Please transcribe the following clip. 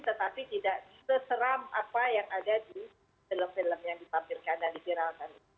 tetapi tidak seseram apa yang ada di film film yang dipampirkan dan diviralkan